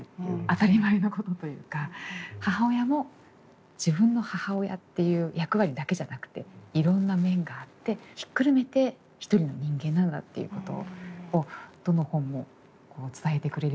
当たり前のことというか母親も自分の母親っていう役割だけじゃなくていろんな面があってひっくるめて一人の人間なんだっていうことをどの本も伝えてくれるような気がしました。